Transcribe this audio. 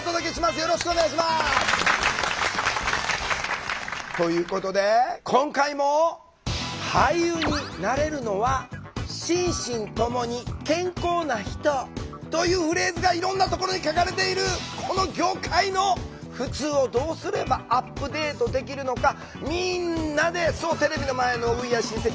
よろしくお願いします！ということで今回も「俳優になれるのは心身ともに健康な人」というフレーズがいろんなところに書かれているこの業界のふつうをどうすればアップデートできるのかみんなでそうテレビの前のＷｅａｒｅシンセキ！